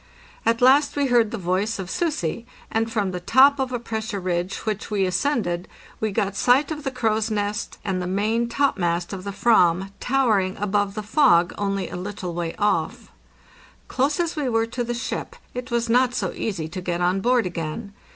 At last we heard the voice of "Sussi,"' and from the top of a pressure ridge which we ascended we got sight of the crow's nest and the main topmast of the /ram, towering above the fog, only a little way off. Close as we were to the ship, it was not so easy to get on board again.